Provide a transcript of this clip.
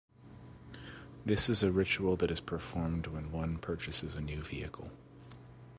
This is a ritual that is performed when one purchases a new vehicle.